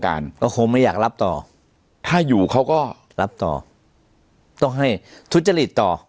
การก็คงไม่อยากรับต่อถ้าอยู่เขาก็รับต่อต้องให้ทุจริตต่อ